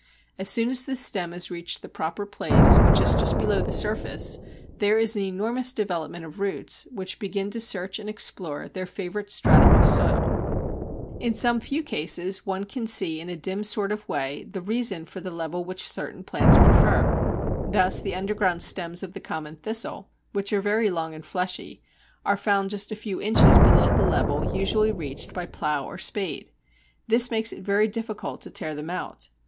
As soon as this stem has reached the proper place, which is just below the surface, there is an enormous development of roots, which begin to search and explore their favourite stratum of soil. Pfeffer, l.c., p. 139. In some few cases one can see in a dim sort of way the reason for the level which certain plants prefer. Thus the underground stems of the common Thistle, which are very long and fleshy, are found just a few inches below the level usually reached by plough or spade. This makes it very difficult to tear them out.